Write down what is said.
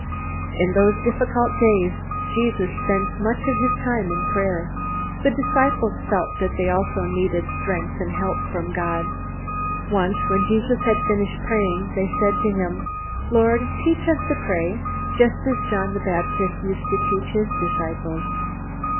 In those difficult days Jesus spent much of his time in prayer. The disciples felt that they also needed strength and help from God. Once, when Jesus had finished praying, they said to him, "Lord, teach us to pray, just as John the Baptist used to teach his disciples."